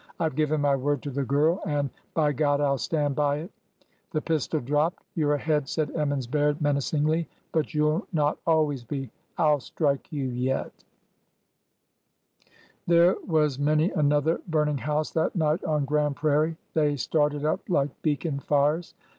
I Ve given my word to the girl, and, by God! Ill stand by itl'^ The pistol dropped. '' You 're ahead," said Emmons Baird, menacingly ;'' but you 'll not always be I I 'll strike you yet 1 " There was many another burning house that night on Grand Prairie. They started up like beacon fires.